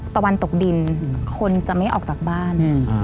ตะวันตกดินคนจะไม่ออกจากบ้าน